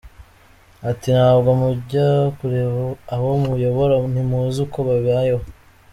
Ati “ Ntabwo mujya kureba abo muyobora ntimuzi uko babayeho?